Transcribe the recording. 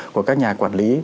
của các nhà quản lý